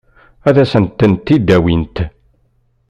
Ad sent-tent-id-awint?